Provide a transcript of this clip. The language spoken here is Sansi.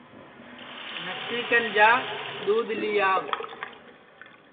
نسی کن جا دؔودھ لی آو